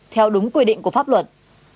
theo đúng quy định của pháp luật